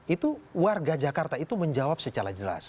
itu warga jakarta itu menjawab secara jelas